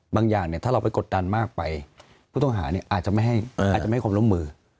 บางอย่างเนี่ยถ้าเราไปกดดันมากไปผู้ต้องหาเนี่ยอาจจะไม่ให้คนร่วมมือ